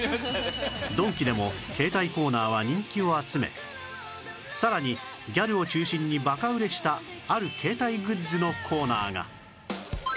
ドンキでも携帯コーナーは人気を集めさらにギャルを中心にバカ売れしたある携帯グッズのコーナーが